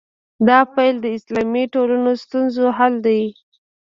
دا پیل د اسلامي ټولنو ستونزو حل دی.